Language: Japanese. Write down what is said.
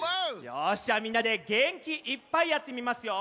よしじゃあみんなでげんきいっぱいやってみますよ。